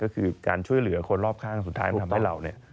ก็คือการช่วยเหลือคนรอบข้างสุดท้ายมันทำให้เราเนี่ย